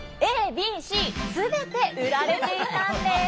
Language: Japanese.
ＡＢＣすべて売られていたんです。